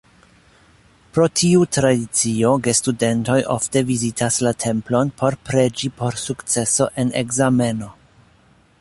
Pro tiu tradicio gestudentoj ofte vizitas la templon por preĝi por sukceso en ekzameno.